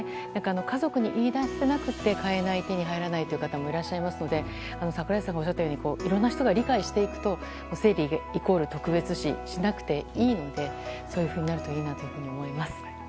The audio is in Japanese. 家族に言い出せなくて買えない、手に入らない方もいらっしゃいますので櫻井さんがおっしゃったようにいろんな人が理解していくと生理イコール特別視しなくていいのでそういうふうになるといいなと思います。